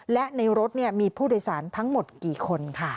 และในรถมีผู้โดยสารทั้งหมดกี่คนค่ะ